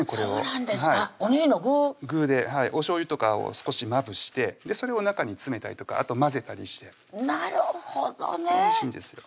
具ではいおしょうゆとかを少しまぶしてそれを中に詰めたりとかあと混ぜたりしてなるほどねおいしいんですよ